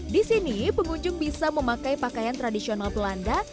di sini pengunjung bisa memakai pakaian tradisional belanda